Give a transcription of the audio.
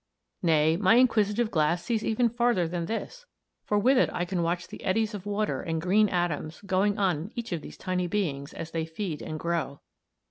Nay, my inquisitive glass sees even farther than this, for with it I can watch the eddies of water and green atoms going on in each of these tiny beings as they feed and grow.